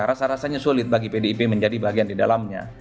rasa rasanya sulit bagi pdip menjadi bagian di dalamnya